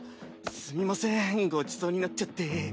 すみませんごちそうになっちゃって。